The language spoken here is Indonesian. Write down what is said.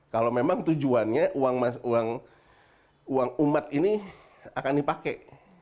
kalau memang tujuannya uang umat ini akan dipakai